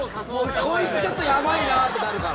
こいつちょっとヤバいなってなるから。